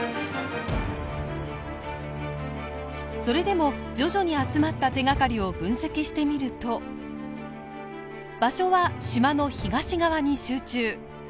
それでも徐々に集まった手がかりを分析してみると場所は島の東側に集中。